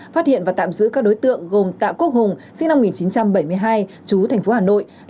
phát hiện và tạm giữ các đối tượng gồm tạ quốc hùng sinh năm một nghìn chín trăm bảy mươi hai chú thành phố hà nội